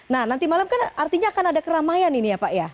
nah nanti malam kan artinya akan ada keramaian ini ya pak ya